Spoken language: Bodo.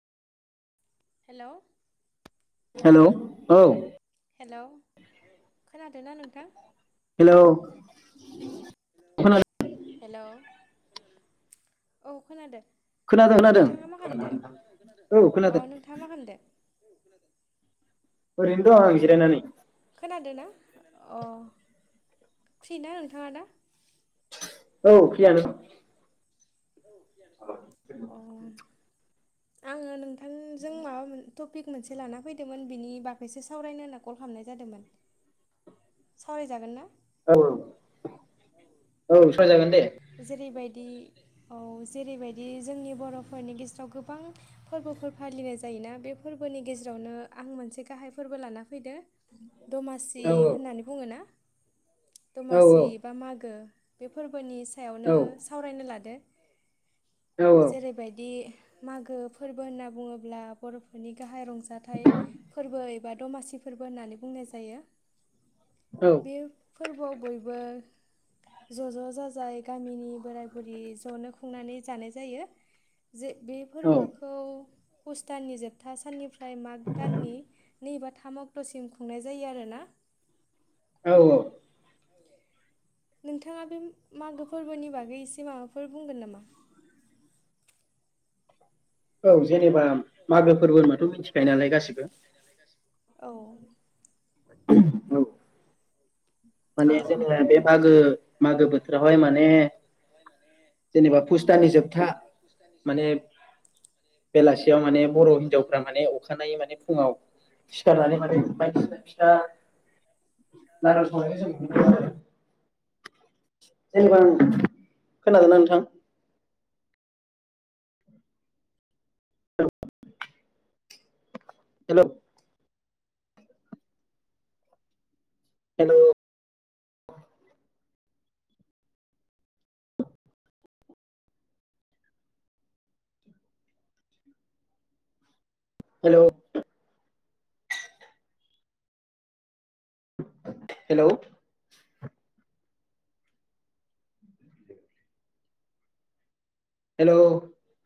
हेलौ हेलौ औ हेलौ खोनादों ना नोंथां? हेलौ खोनादों हेलौ औ खोनादों खोनादों-नादों नोंथाङा मा खालामदो औ अ खोनादों। नोंथाङा मा [unintelligible] ओरैनो दं आं जिरायनानै। खोनादोना अ फ्रि ना नोंथाङा दा? औ फ्रियानो। अ आङो नोंथांजों माबा मोन टपिक मोनसे लाना फैदोंमोन बिनि बागैसो सावरायनो होनना कल खाम जादोंमोन। सावरायजागोन ना? औ-औ-औ सावराय जागोन दे। जेरैबाय दि औ जेरैबायदि जोंनि बर'फोरनि गेजेराव गोबां फोरबोफोर फालिनाय जाय योना बे फोर्बोनि गेजेरावनो आं मोनसे गाहाय फोरबो लाना फैदो। दमासि औ होननानै बुङो ना। औ दमासि बा मागो बे फोर्बोनि औ सायावनो सावरायनो लादो। औ जेरैबायदि मागो फोर्बो होनना बुङोब्ला बर'फोरनि गाहाय रंजाथाइ फोर्बो एबा दमासि फो फोर्बो होननानै बुंनाय जायो। बे फोर्बोआव बयबो ज'-ज'-जाजाय गामिनि बोराय बुरि ज'नो खुंनानै जानाय जायो। जे बे औ फोर्बोखौ पुस दाननि जोबथा साननिफ्राय माग दाननि नैबा थाम अक्ट'सिम खुंनाय जायो आरोना। औ-औ। नोंथाङा बे मागो फोर्बोनि बागै एसे माबाफोर बुंगोन नामा? औ जे नेबा मागो फोर्बो होनबाथ' मिथिखायो नालाय गासिबो। औ औ। माने जोङो बे मागो-मागो बोथोरावहाय माने जेनेबा औ फुस्तानि जोबथा माने [unintelligible] बेलासियाव माने बर' हिनजावफ्रा माने अखानायै माने फुङाव सिखारनानै माने बायदिसिना फिथा [unintelligible] जेनेबा आं खोनादोंना नोंथां? [unintelligible] Hello. Hello. Hello. Hello. Hello.